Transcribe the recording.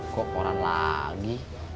kok koran lagi